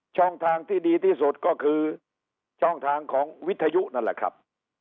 ช่องทางที่ดีที่สุดก็คือช่องทางของวิทยุนั่นแหละครับ